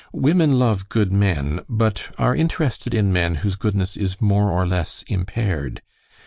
Women love good men, but are interested in men whose goodness is more or less impaired.